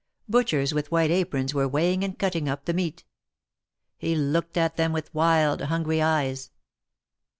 Butchers with white aprons were weighing and cutting up the meat. He looked at them with wild, hungry eyes.